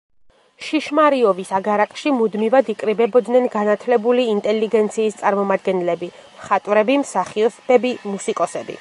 შიშმარიოვის აგარაკში მუდმივად იკრიბებოდნენ განათლებული ინტელიგენციის წარმომადგენლები: მხატვრები, მსახიობები, მუსიკოსები.